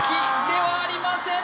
ではありません